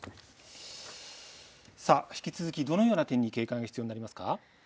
さあ、引き続きどのような点に警戒が必要になりますか。